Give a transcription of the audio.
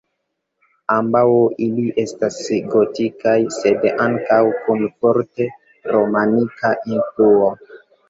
Ambaŭ ili estas gotikaj sed ankaŭ kun forte romanika influo.